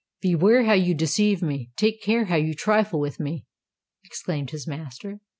"Beware how you deceive me—take care how you trifle with me!" exclaimed his master.